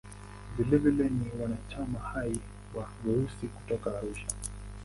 Vilevile ni mwanachama hai wa "Weusi" kutoka Arusha.